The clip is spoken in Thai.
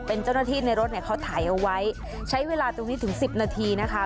เป็นเจ้าหน้าที่ในรถเนี่ยเขาถ่ายเอาไว้ใช้เวลาตรงนี้ถึงสิบนาทีนะคะ